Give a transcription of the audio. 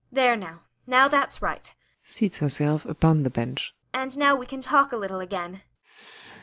] There now. Now that's right. [Seats herself upon the bench.] And now we can talk a little again.